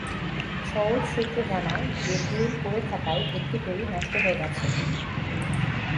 সওজ সূত্র জানায়, দীর্ঘদিন পড়ে থাকায় একটি ফেরি নষ্ট হয়ে গেছে।